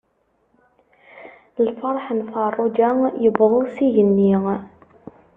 Lferḥ n Ferruǧa yewweḍ s igenni.